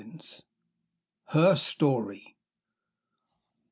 HER STORY.